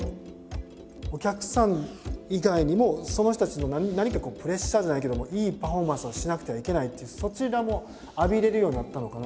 お客さん以外にもその人たちの何かプレッシャーじゃないけどもいいパフォーマンスをしなくてはいけないっていうそちらも浴びれるようになったのかな